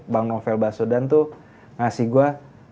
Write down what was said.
bang novel baswedan tuh ngasih gue